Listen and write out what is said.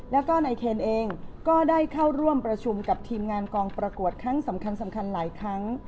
แล้วก็นายเคนเองก็ได้เข้าร่วมประชุมกับทีมงานกองประกวดครั้งสำคัญหลายครั้ง